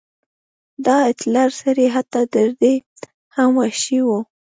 دا هټلر سړی حتی تر دې هم وحشي و.